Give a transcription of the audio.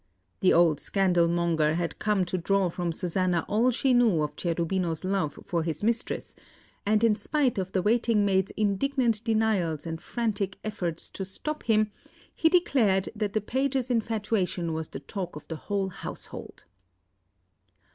The old scandal monger had come to draw from Susanna all she knew of Cherubino's love for his mistress; and in spite of the waiting maid's indignant denials and frantic efforts to stop him, he declared that the page's infatuation was the talk of the whole household.